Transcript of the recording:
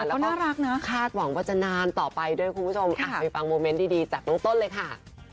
แล้วก็น่ารักนะคาดหวังว่าจะนานต่อไปด้วยคุณผู้ชมไปฟังโมเมนต์ดีจากน้องต้นเลยค่ะ